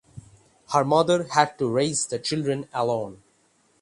Her mother had to raise the children alone.